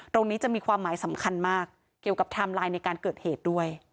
ตรงนี้จะมีความหมายสำคัญมากเกี่ยวกับไทม์ไลน์ในการเกิดเหตุด้วย